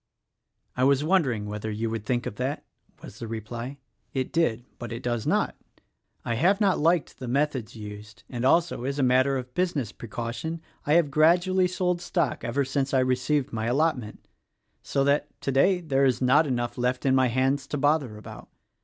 "I was wondering whether you would think of that," was the reply. "It did — but it does not. I have not liked the methods used, and also as a matter of business precau tion I have gradually sold stock ever since I received my allotment — so that, today, there is not enough left in my hands to bother about.